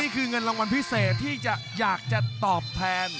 นี่คือเงินรางวัลพิเศษที่จะอยากที่จะตอบแพน